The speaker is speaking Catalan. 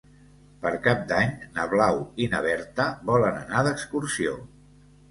Per Cap d'Any na Blau i na Berta volen anar d'excursió.